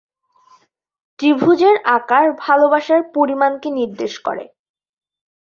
ত্রিভুজের আকার ভালোবাসার "পরিমাণকে" নির্দেশ করে।